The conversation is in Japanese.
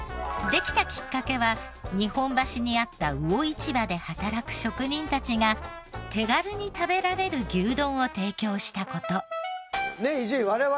できたきっかけは日本橋にあった魚市場で働く職人たちが手軽に食べられる牛丼を提供した事。